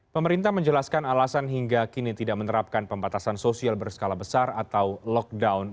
pemerintah menjelaskan alasan hingga kini tidak menerapkan pembatasan sosial berskala besar atau lockdown